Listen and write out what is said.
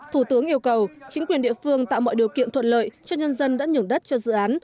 thủ tướng yêu cầu chính quyền địa phương tạo mọi điều kiện thuận lợi cho nhân dân đã nhường đất cho dự án